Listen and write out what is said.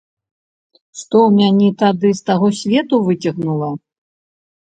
Што мяне тады з таго свету выцягнула?